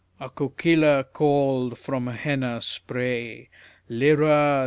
A kokila called from a henna spray: LIRA!